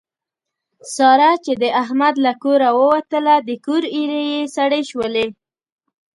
ساره چې د احمد له کوره ووتله د کور ایرې یې سړې شولې.